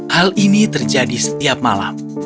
hal ini terjadi setiap malam